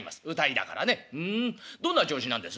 「ふんどんな調子なんです？」。